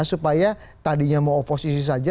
supaya tadinya mau oposisi saja